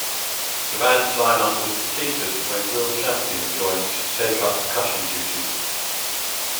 The band's line-up was completed when Will Champion joined to take up percussion duties.